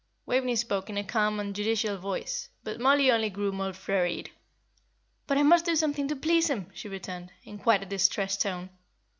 Waveney spoke in a calm and judicial voice, but Mollie only grew more flurried. "But I must do something to please him," she returned, in quite a distressed tone.